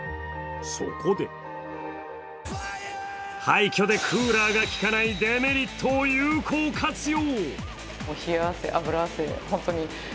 そこで、廃虚でクーラーが効かないデメリットを有効活用。